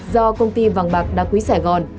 do công ty vàng bạc đa quý sài gòn